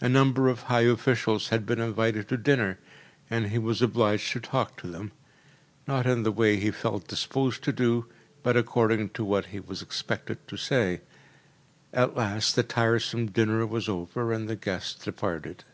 A number of high officials had been invited to dinner, and he was obliged to talk to them: not in the way he felt disposed to do, but according to what he was expected to say. At last the tiresome dinner was over, and the guests departed.